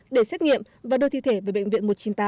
để xét nghiệm và đưa thi thể về bệnh viện một trăm chín mươi tám